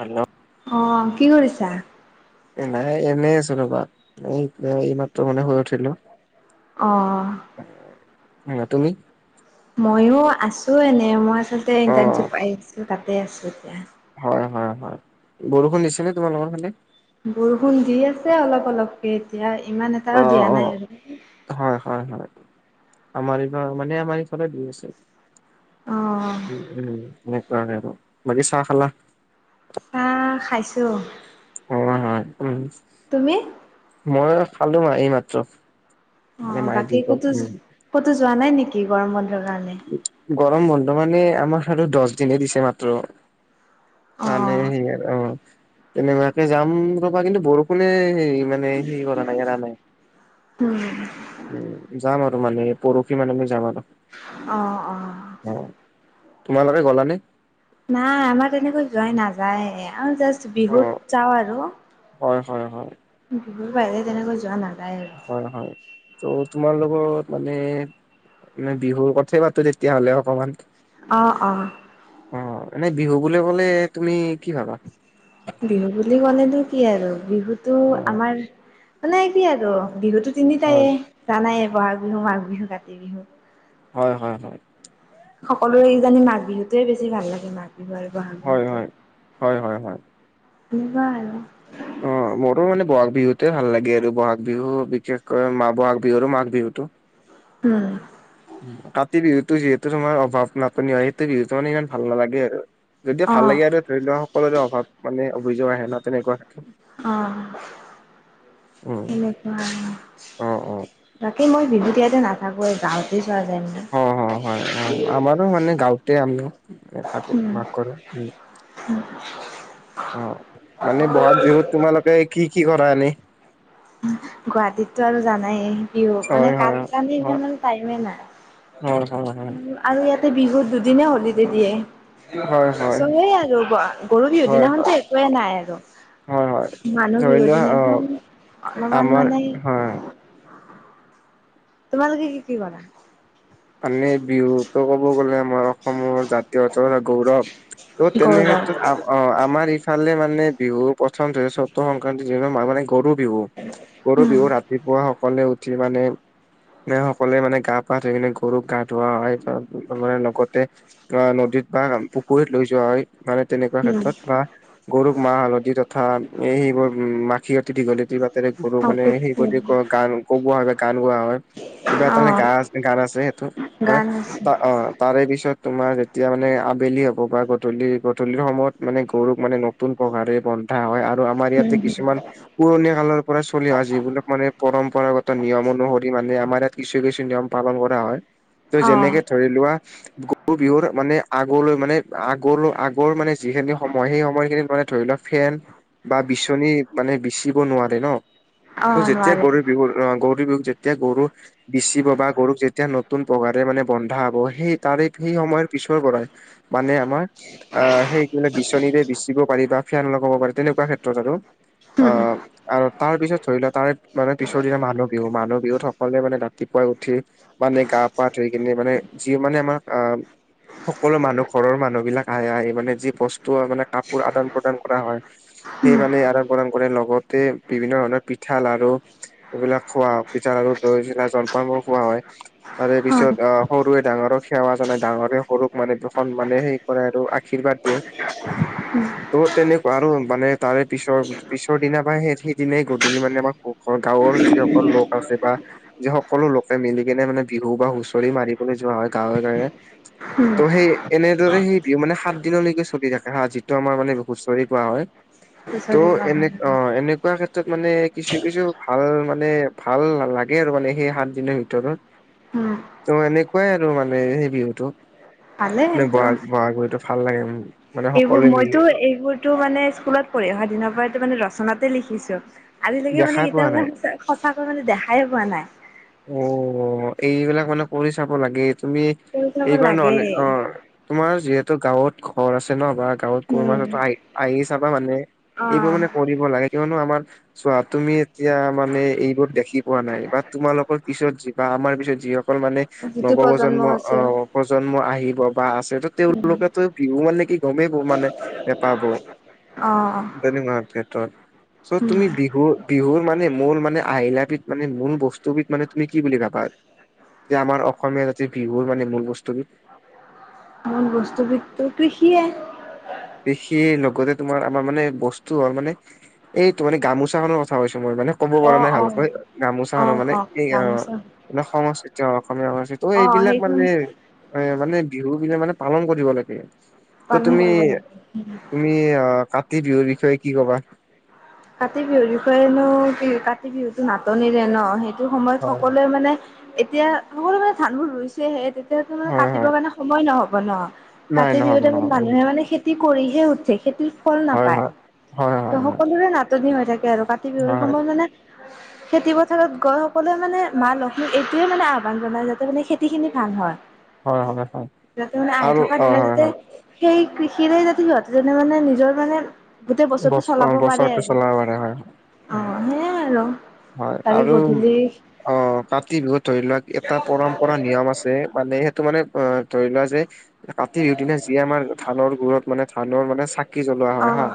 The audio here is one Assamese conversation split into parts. হেল্ল' অ', কি কৰিছা? এ নাই এনেই আছোঁ ৰবা, এই এইমাত্ৰ মানে শুই উঠিলো। অহ। আৰু তুমি? ময়ো আছোঁ এনেই, মই আচলতে অ ইণ্টাৰ্ণশ্বিপ পাই আছোঁ তাতে আছোঁ এতিয়া। হয়', হয়', হয়', বৰষুণ দিছেনে তোমালোকৰ ফালে? বৰষুণ দি আছে অলপ অলপকে এতিয়া ইমান এটাও অ দিয়া অ নাই আৰু। হয়', হয়', হয়, আমাৰ এইবাৰ মানে আমাৰ এই ফালে দি আছে। অ', উম, উম', সেনেকুৱাহে আৰু বাকী চাহ খালা? চাহ খাইছোঁ। হয়', হয়', [unintelligible] তুমি? মইয়ো খালো এইমাত্ৰ। অ', বাকী ক'তো যো ক'তো যোৱা নাই নেকি গৰম বন্ধৰ কাৰণে? গৰম বন্ধ মানে আমাৰ হাতত দছ দিনহে দিছে মাত্ৰ। মানে অ', সেইয়া অ', তেনেকুৱাকে যাম ৰবা কিন্তু বৰষুণে হেই মানে সেই কৰা নাই এৰা নাই। উম'। উম', যাম আৰু মানে এই পৰহি মানে মই যাম আৰু। অ অ। অ, তোমালোকে গ'লানে? নাই আমাৰ তেনেকৈ যোৱাই নাযায় আৰু জাষ্ট অ বিহুত যাওঁ আৰু হয় হয় হয় বিহুৰ বাহিৰে তেনেকৈ যোৱা নাযায় আৰু। হয় হয়, ত' তোমাৰ লগত মানে নে বিহুৰ কথায়ে পাতো তেতিয়াহ'লে অকমান। অ অ। অ, এনে বিহু বুলি ক'লে তুমি কি ভাবা? বিহু বুলি ক'লেনো কি আৰু বিহুতো অ আমাৰ মানে কি আৰু বিহুতো তিনিটাই হয় জানায় ব'হাগ বিহু, মাঘ বিহু, কাতি বিহু। হয়, হয়, হয়। সকলোৰে কিজানি মাঘ বিহুটোৱে বেছি ভাল লাগে, মাঘ বিহু আৰু বহাগ হয় বিহুতো। হয়। হয় হয় হয় কোৱা আৰু? অ মোৰো মানে বহাগ বিহুতোৱে ভাল লাগে আৰু বহাগ বিহু বিশেষকৈ, মা' বহাগ বিহু আৰু মাঘ বিহুটো। উম। কাতি বিহুতো যিহেতু তোমাৰ অভাৱ নাটনি হয় সেইটো বিহু তাৰ মানে ইয়াক ভাল নালাগে আৰু। তাকে ভাল অ', লাগে আৰু ধৰি লোৱা সকলোৰে অভাৱ মানে অভিযোগ আহে ন তেনেকুৱা। থাকে। অ' উম, এনেকুৱা আৰু। অ', অ'। বাকী মই বিহুত ইয়াতে নাথাকোৱেই গাঁৱতেই যোৱা যায়। অ' অ' হয় হয় আমাৰো মানে গাঁওতে আমি থাকো, উম, বাস কৰো। [inaudible] মানে বহাগ বিহুত তোমালোকে কি কি কৰা এনেই? [unintelligible] গুৱাহাটীত টো আৰু জানাই বিহু হয়, মানে, হয়, কাৰো কাৰণে ইমান মানে টাইমে নাই। হয়, হয়, হয়। আৰু ইয়াতে বিহুত দুদিনে হলিডে দিয়ে। হয়, হয়, হয়, আছোঁ সেইয়াই ৰ'বা, গৰু বিহুৰ হয়, হয়। দিনাখনতো একোয়ে নাই আৰু। হয়, হয়, মানুহ ধৰি বিহুৰ লোৱা দিনাখন অ' অলপমান আমাৰ মানে। হয়। তোমালোকে কি কি কৰা? মানে বিহুটো ক'ব গ'লে, আমাৰ অসমৰ জাতীয় উৎসৱ এটা গৌৰৱ। ত' গৌৰৱ তেনেক্ষেত্ৰত আমা অ আমাৰ ইফালে মানে বিহুৰ প্ৰথম [unintelligible] চ'তৰ সংক্ৰান্তিৰ মানে গৰু বিহু। গৰু উম বিহু ৰাতিপুৱা সকোলোৱে উঠি মানে, সকলোৱে মানে গা পা ধুই কিনে গৰুক গা ধুওৱা হয় বা তাৰ লগতে অ নদীত বা পুখুৰীত লৈ যোৱা হয়। মানে তেনেকুৱা উম ক্ষেত্ৰত বা গৰুক মাহ হালধি [unintelligible] [unintelligible] এ সেইবোৰ উম মাখিয়তি দীঘলতি পিতেৰে গৰু মানে সেই বুলি কয় গা কোবোৱা হয়, গান গোৱা হয় কিবা এটা অ মানে গা' আছে, গান আছে সেইটো মানে গান [unintelligible] আছে অ তাৰে পিছত তোমাৰ যেতিয়া মানে আবেলি হ'ব বা গধূলি, গধূলিৰ সময়ত মানে গৰুক মানে ন নতুন পঘাৰে বন্ধা হয় আৰু আমাৰ উম ইয়াতে হম কিছুমান পুৰণি কালৰ পৰা চলি অহা, যিবিলাক মানে পৰম্পৰাগত নিয়ম অনুসৰি মানে আমাৰ ইয়াত কিছু কিছু নিয়ম পালন কৰা হয়, ত' অ যেনেকে ধৰি লোৱা গ গৰু বিহুৰ মানে আগলৈ মানে আগলৈ আগৰ মানে যিখিনি সময় সেই সময়খিনিত মানে ধৰি লোৱা ফেন বা বিচনী মানে বিচিব নোৱাৰে ন অ ত যেতিয়া নোৱাৰে গৰু বিহু আহ' গৰু বিহুক যেতিয়া গৰু বিচিব বা গৰুক যেতিয়া ন নতুন পঘাৰে মানে বন্ধা হব সেই তাৰে সেই সময়ৰ পিছৰ পৰাই মানে আমাৰ আ'হ সেই কি বোলে বিচনীৰে বিচিব পাৰি বা ফেন লগাব পাৰি তেনেকুৱা ক্ষেত্ৰত আৰু উম। আহ আৰু তাৰ পিছত ধৰি লোৱা তাৰে মানে পিছৰ দিনা মানুহ বিহু, মানুহ বিহুত সকলোৱে মানে ৰাতিপুৱাই উঠি মানে? গা পা ধুই কিনে মানে যি মানে আমাক আ'হ সকলো মানুহ ঘৰৰ মানুহ বিলাক আহে আহি মানে যি বস্তু আৰু মানে কাপোৰ আদান প্ৰদান কৰা হয়, সেই মানে আৰু প্ৰদান কৰে, লগতে বিভিন্ন ধৰণৰ পিঠা লাড়ু এইবিলাক খোৱা হৈ পিঠা লাড়ু দৈ চিৰা জলপানবোৰ খোৱা হয় তাৰে অ পিছত আ'হ সৰুৱে ডাঙৰক সেৱা জনায়, ডাঙৰে সৰুক মানে দৰ্শন মানে সেই কৰে আৰু আশীৰ্বাদ দিয়ে। উম। ত' তেনেকুৱা আৰু মানে তাৰে পিছৰ পিছৰদিনা বা সেই সেইদিনাই গধূলি মানে আমাৰ ঘৰৰ গাঁৱৰ যিস কল লোক আছে বা যি সকলো লোকে মিলি কেনে মানে বিহু বা হুঁচৰি মাৰিবলৈ যোৱা হয় গাঁৱে - গাঁৱে। উম ত' সেই এনেদৰে সেই বিহু মানে সাত দিনলৈকে চলি থাকে হা যিটো আমাৰ মানে হুচৰি গোৱা হয়। ত' হুঁচৰি গাব এনে অ এনেকুৱা ক্ষেত তত মানে কিছু কিছু ভাল মানে ভাল নালাগে আৰু মানে সেই সাত দিনৰ ভিতৰত। উম ত' এনেকুৱাই আৰু মানে সেই বিহুটো, ভালে মে সেইটো বহাগ বহাগ বিহুটো ভাল লাগে। মানে এইবোৰ সকলোৱে মিলি মইটো এইবোৰ টো মানে স্কুলত পঢ়ি অহা দিনৰপৰা এইটো মানে ৰচনাতে লিখিছোঁ, আজিলৈকে দেখা মানে পোৱা নাই কেতিয়াবা চা সঁচাকৈ মানে দেখায়ে পোৱা নাই। অ এইবিলাক মানে কৰি চাব লাগে, তুমি কৰি চাব এইবাৰ নহ'লে অ লাগে তোমাৰ যিহেতু গাঁৱত ঘৰ আছে ন বা গাঁৱত কোনোবাৰ উম হতৰ আহি আহি চাবা মানে এইবোৰ অ' মানে কৰিব লাগে কিয়নো আমাৰ চোৱা তুমি তিয়া মানে এইবোৰ দেখি পোৱা নাই বা তোমালোক কৰ পিছত যি বা আমাৰ পিছত যিসকল মানে যিটো প্ৰজন্ম নৱপ্ৰজন্ম আছে অ প্ৰজন্ম আহিব বা আছে, ত তেওঁলোকেতো বিহু মানে কি গমেই গ মানে নেপাব। অ অ। তেনেকুৱা ক্ষেত্ৰত। চ' তুমি বিহু বিহুৰ মানে মূল মানে আহিলাবিধ মানে মূল বস্তুবিধ মানে তুমি কি বুলি ভাবা যে আমাৰ অসমীয়া জাতিৰ বিহুৰ মানে মূল বস্তুবিধ? মূল বস্তুবিধটো কৃষিয়ে। কৃষি লগতে তোমাৰ আমাৰ মানে বস্তু হল মানে এইটো মানে গামোচাখনৰ থা কৈছো মই মানে ক'ব পৰা অ' নাই অ' ভালকৈ, গামোচাখনো অ' মানে এই অ গামোচা মানে সংস্কৃতি অসমীয়া সংস্কৃতি, ত' অ' এইবিলাক সেইখন মানে এ মানে বিহুবিলাক মানে পালন কৰিব লাগে। ত' পালন তুমি কৰিব লাগে উম। তুমি অ কাতি বিহুৰ বিষয়ে কি কবা? কাতি বিহুৰ বিষয়েনো কি কাতি বিহুটো নাটনিৰে ন সেই টো সময়ত হয় হয়। সকলোৱে মানে এতিয়া সকলোৱে ধানবোৰ ৰুইছেহে তে তিয়াটো মানে হয় কাটিবৰ হয় কাৰণে সময় নহ'ব ন, নাই কাতি নহ'ব বিহুৰ টাইমত নহ'ব মানুহে মানে খেতি কৰিহে উঠে, খেতিৰ ফল হয় নাপায়, হয় হয় ত হয় সকলোৰে না টনি হৈ থাকে আৰু কাতি বিহুৰ হয় সময়ত মানে [inaudible] খেতি পথাৰত গৈ সকলোৱে মানে মা লক্ষ্মীক এইটোয়ে মানে আহ্বান জনায় যাতে মানে খেতিখিনি ভাল হয়। হয় হয় হয় যাতে মানে আহি আৰু থকা অ দিনত হয় যাতে হয় সেই কৃষিৰে যাতে সিহঁতে যেনে মানে নিজৰ মানে গোটেই বছৰটো চলাব পাৰে আৰু। এ হয়, অ উম। সেইয়াই আৰু তাকে গধূলি অ কাতি বিহুত ধৰি লোৱা এটা পৰম্পৰা নিয়ম আছে মানে সেইটো মানে অ ধৰি লোৱা যে কাতি বিহুৰ দিনা যি আমাৰ ধানৰ গুৰত মানে ধানৰ মানে চাক কি জ্বলোৱা অ হয় হা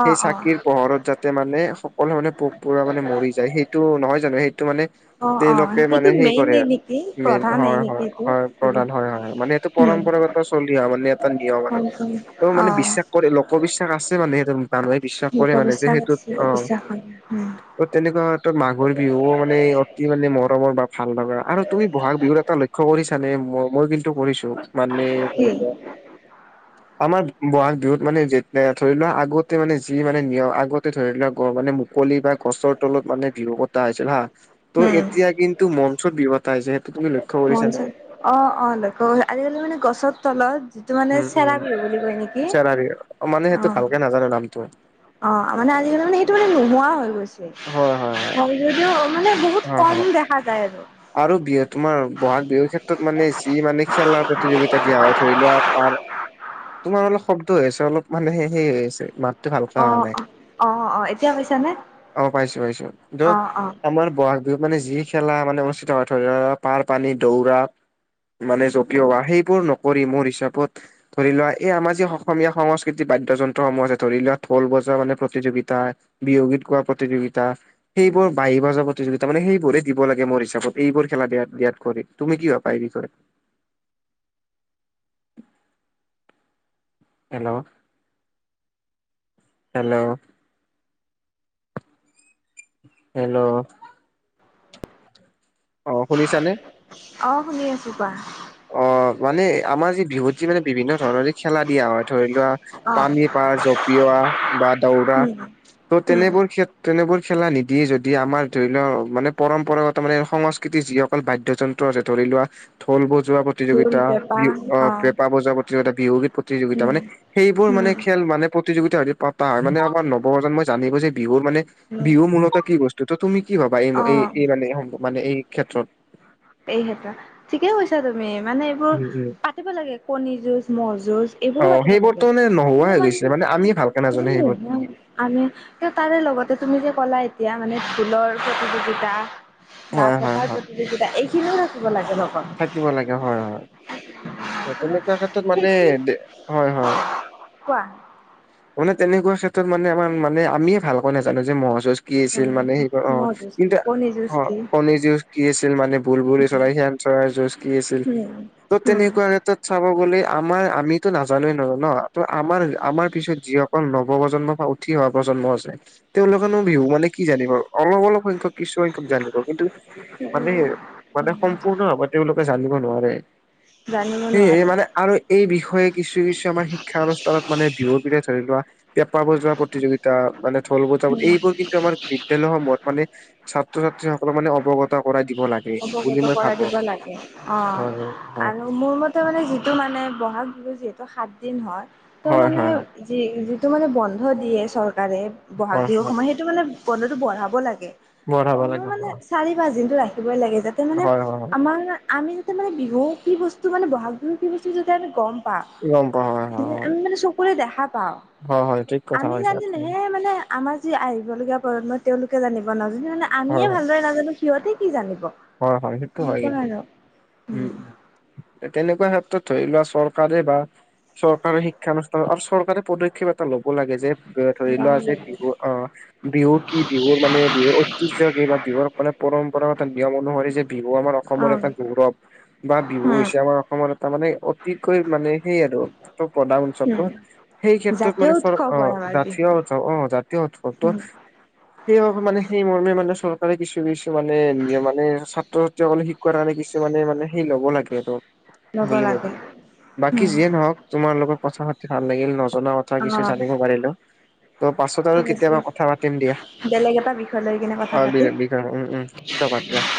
অ সেই অ চাকিৰ পোহৰত যাত তে মানে সকলোৱে মানে পোক - পৰুৱা মানে মৰি যায় সেইটো নহয় জানো সেইটো মানে অ অ তেওঁলোকে মানে সেইটো সেই কৰে, মেইনে নেকি মেইন প্ৰধানেই হয় নেকি হয়, এইটো হয় প্ৰধান হয় হয় মানে সেইটো উম পৰম্পৰাগত চলি অহা মানে এটা নিয়ম আৰু ত অ মানে বিশ্বাস কৰে, লোক বিশ্বাস আছে মানে সেইটো মানুহে বিশ্বাস কৰে মানে যে লোকবিশ্বাস সেইটোত অ'। বিশ্বাস হয় উম' তেনেকুৱাত মাঘৰ বিহু মানে ইহত কি মানে মৰমৰ বা ভাল লগা আৰু তুমি বহাগ বিহুৰত এটা লক্ষ্য কৰিছা নে, মই-মই কিন্তু কৰিছোঁ। মানে কি খৰিকা আমাৰ বহাগ বিহুত মানে যেতিয়া ধৰি লোৱা আগতে মানে যি মানে নিয়ম, আগতে ধৰি লোৱা মানে কলি বা গছৰ তলত মানে বিহু পতা হৈছিল হা, ত' উম এতিয়া কিন্তু মঞ্চত বিহু পাই যে, সেইটো তুমি লক্ষ্য মন কৰিছানে? চন অ' অ' লক্ষ্য কৰোঁ, আজিকালি মানে গছৰ তলত যিটো মানে উম চেৰা উম বিহু বুলি কয় নেকি অ'। নাজানোঁ নামতো। অ' মানে আজিকালি মানে সেইটো মানে নোহোৱা হৈ গৈছে, হয় যদিও মানে বহুত হয় কম হয় দেখা যায় আৰু। আৰু বিহু তোমাৰ বহাগ বিহুৰ ক্ষেত্ৰত মানে যি মানে খেলাৰ প্ৰতিযোগিতা দিয়া হয়। ধৰি লোৱা পাৰ, তোমাৰ অলপ শব্দ হৈ আছে, অলপ মানে সেই হৈ আছে মাত। অ', অ', অ', এতিয়া পাইছা নে? অ' পাইছোঁ-পাইছোঁ কিন্তু আমাৰ বহাগ বিহুত মানে যি খেলা মানে থ [unintelligible] পাৰ পানী দৌৰা মানে জপিওৱা, সেইবোৰ নকৰি মোৰ হিচাপত ধৰি লোৱা, এই আমাৰ যি অসমীয়া সংস্কৃতিৰ বাদ্যযন্ত্ৰসমূহ আছে, ধৰি লোৱা ঢোল বজা মানে প্ৰতিযোগিতা বিহুগীত গোৱা প্ৰতিযোগিতা, সেইবোৰ বাহি বজোৱা প্ৰতিযোগিতা মানে সেইবোৰে দিব লাগে মোৰ হিচাপত। এইবোৰ খেলা দিয়াত দিয়াত কৰে। তুমি কি ভাবা এই বিষয়ত? হেল্ল' হেল্ল' হেল্ল' অ' শুনিছানে? অ' শুনি আছোঁ কোৱা অ' মানে আমাৰ যি বিহুত, যি মানে বিভিন্ন ধৰণৰ যি খেলা দিয়া হয় ধৰি লোৱা, অ পানী পাৰ জপিওৱা বা দৌৰা উম ত' উম তেনেবোৰ ক্ষেত্ৰত- তেনেবোৰ খেলা নিদিয়ে যদি আমাৰ ধৰি লওক মানে পৰম্পৰাগত মানে সংস্কৃতি যিহক অকল বাদ্যযন্ত্ৰ আছে, ধৰি লোৱা ঢোল বজোৱা ঢোল প্ৰতিযোগিতা, পেঁপা বি অ' পেঁপা বজোৱা প্ৰতি প্ৰতিযোগিতা, বিহুগীত প্ৰতিযোগিতা উম মানে সেইবোৰ মানে উম খেল মানে প্ৰতিযোগিতা পাতা হয় মানে আমাৰ নৱ প্ৰজন্মই জানিব যে বিহুৰ মানে উম বিহু মূলত কি বস্তু ত তুমি কি ভাবা অ এই-এই মানে-মানে এই ক্ষেত্ৰত এই ক্ষেত্ৰত, ঠিকে কৈছা তুমি মানে এইবোৰ উম উম পাতিব লাগে কণী যুঁজ, ম'হ যুঁজ অ এইবোৰো পাতিব সেইবোৰতো লাগে, মানে নোহোৱা হৈ কিন্তু গৈছে মানে আমিয়ে ভালকে নাজানো সেইবোৰ কি। এইবোৰ [unintelligible] আমি তাৰে লগতে তুমি যে ক'লা এতিয়া মানে ঢোলৰ প্ৰতিযোগিতা বা হয় হয় পেপাৰ হয় প্ৰতিযোগিতা এইখিনিও ৰাখিব লাগে ন থাকিব লাগে হয়-হয়। কিন্তু তেনেকুৱা ক্ষেত্ৰত মানে সেইটো হয়-হয় কোৱা? মানে তেনেকুৱা ক্ষেত্ৰত মানে আমাৰ নে আমিয়ে ভালকৈ নাজানোঁ যে ম'হ যুঁজ কি আছিল মানে সেইবাৰ ম'হ অ' যুঁজ কি কিন্তু কণী যুঁজ অ' কি কণী যুঁজ কি আছিল মানে বুলবুলি উম চৰাই, শেন চৰাইৰ যুঁজ কি আছিল? ত' উম তেনেকুৱা ক্ষেত্ৰত চাব গ'লে আমাৰ আমিতো নাজানোঁৱে নাজানোঁ ন ত আমাৰ-আমাৰ পিছত যিসকল নৱপ্ৰজন্ম বা উঠি অহা প্ৰজন্ম আছে তেওঁলোকেনো বিহু মানে কি জানিব অলপ অলপ সংখ্যক কিছুসংখ্যক জানিব কিন্তু মানে মানে উম, সম্পূৰ্ণ তেওঁলোকে জানিব নোৱাৰে, জানিব সেয়ে মানে নোৱাৰে আৰু এই বিষয়ে কিছু কিছু আমাৰ শিক্ষা অনুষ্ঠানত মানে বিহুৰ [unintelligible] ধৰি লোৱা পেঁপা বজোৱা প্ৰতিযোগিতা মানে ঢল বজাব এইবোৰ কিন্তু আমাৰ বিদ্যালয়সমূহত মানে- ছাত্ৰ-ছাত্ৰীসকলক মানে অৱগত কৰাই দিব লাগে বুলি মই ভাবোঁ। তাকে অহ'। হয় হয়। ত' মানে যিটো মানে ব'হাগ বিহু যিহেতু সাতদিন হয়। ত' হয় মানে হয় হয় যি-যিটো মানে বন্ধ দিয়ে চৰকাৰে, ব'হাগ হয় হয় বিহুৰ হয় সময়ত সেই টো মানে বন্ধটো বঢ়াব লাগে, বঢ়াব কমেওঁ লাগে মানে হয় চাৰি-পাঁচ দিনটো ৰাখিবই লাগে যা তে মানে, হয় হয়। হয় আমাৰ আমি যাতে মানে বিহু কি বস্তু মানে ব'হাগ বিহু কি বস্তু যাতে আমি গম পাওঁ। গম পাওঁ হয়। যে হয় হয় আমি মানে চকুৰে দেখা পাওঁ, হয় হয় ঠিক কথা আমি কৈছা তুমি। জানিলেহে মানে আমাৰ যি আহিবলগীয়া প্ৰজন্ম তেওঁলোকে জানিব ন, যিটো মানে হয় আমিয়ে হয় ভালদৰে নাজানো। সিহঁতি কি জানিব? হয় হয়, সেইটো হয় এনেকুৱা কিন্তু। আৰু উম! এ তেনেকুৱা ক্ষেত্ৰত ধৰি লোৱা চৰকাৰে বা চৰকাৰে শিক্ষানুষ্ঠান আৰু চৰকাৰে পদক্ষ ক্ষেপ এটা ল'ব লাগে যে, ধৰি গম লোৱা যে বিহু অহ বিহু কি? বিহুৰ মানে বিহুৰ ঐতিহ্য কি বা বিহুৰ মানে পৰম্পৰা নিয়ম অনুসৰি যে বিহু আমাৰ অ অসমৰ এটা গৌৰৱ। বা বিহু উম হৈছে আমাৰ অসমৰ এটা মানে অতিকৈ মানে সেই আৰু প্ৰধান উম উৎসৱটো। সেই ক্ষেত্ৰত জাতীয় মানে চৰ উৎসৱ অহ, হয় আমাৰ জাতীয় বিহু উৎসৱ, অহ, জাতীয় উৎসৱ ত' উম সেই হ মানে সেই মৰ্মে মানে চৰ কাৰে কিছু কিছু মানে নিয়ম আ মানে ছাত্ৰ-ছাত্ৰীসকলেক শিকোৱাৰ কাৰণে কিছুমানে মানে সেই ল'ব লাগে আৰু ল'ব বুলি মই লাগে ভাবোঁ। বাকী উম যিয়ে নহওক, তোমাৰ লগত কথা পাতি ভাল লাগিল, নজনা কথা অ কিছু জানিব পাৰিলোঁ। ত' পাছত আৰু ঠিক আছে কেতিয়াবা কথা পাতিম দিয়া, বেলেগ এটা বিষয় লৈ কিনে কথা [unintelligible] পাতিম দে, উম উম। [unintelligible]